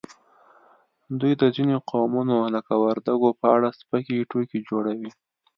دوی د ځینو قومونو لکه وردګو په اړه سپکې ټوکې جوړوي